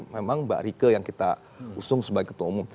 memang mbak rike yang kita usung sebagai ketua umum